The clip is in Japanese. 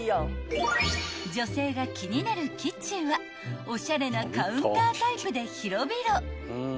［女性が気になるキッチンはオシャレなカウンタータイプで広々］